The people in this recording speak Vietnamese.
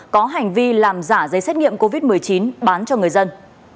có hành vi làm giả giấy xét nghiệm covid một mươi chín bán cho người dân